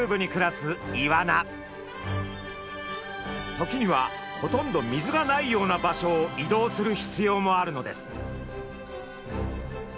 時にはほとんど水がないような場所を移動する必要もあるのです。